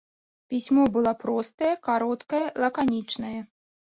Пісьмо было простае, кароткае, лаканічнае.